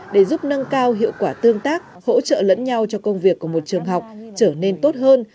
để giúp nâng cao hiệu quả tương tác hỗ trợ lẫn nhau cho công việc của một trường học trở nên tốt hơn